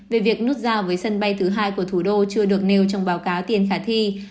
về việc nút giao với sân bay thứ hai của thủ đô chưa được nêu trong báo cáo tiền khả thi